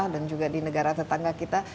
dan juga di negara tetangga kita